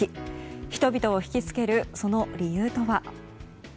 人々を引きつけるその理由とは？